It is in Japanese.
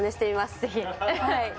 ぜひ。